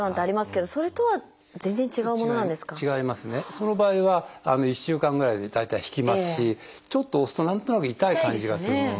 その場合は１週間ぐらいで大体引きますしちょっと押すと何となく痛い感じがするんですね。